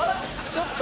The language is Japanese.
ちょっと。